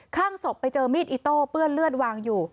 ข้างศพไปเจอมีดอิโต้เปื้อนเลือดวางอยู่